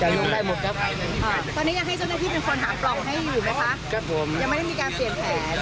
ยังไม่ได้มีการเสียงแผน